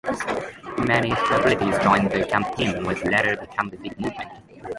Many celebrities joined the campaign which later became a big movement.